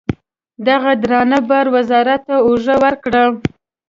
دغه درانه بار وزارت ته اوږه ورکړه.